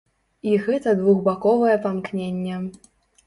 І гэта двухбаковае памкненне.